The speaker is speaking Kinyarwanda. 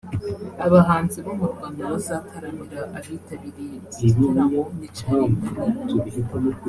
Abahanzi bo mu Rwanda bazataramira abitabiriye iki gitaramo ni Charly&Nina